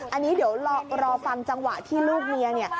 อันนี้เดี๋ยวรอฟังจังหวะที่ลูกเมียเนี่ย